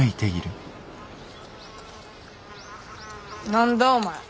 何だお前？